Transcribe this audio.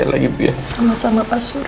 yang luya apa aja sih mas wing cooked shit